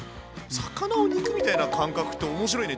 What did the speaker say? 魚を肉みたいな感覚って面白いね。